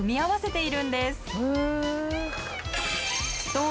はい。